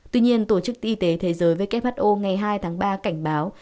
tuy nhiên tổ chức y tế thế giới who ngày hai tháng ba cảnh báo